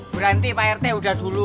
berarti pak rt udah dulu